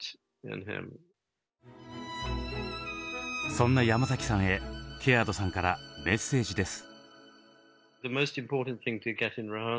そんな山崎さんへケアードさんからメッセージです。